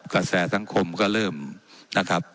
ว่าการกระทรวงบาทไทยนะครับ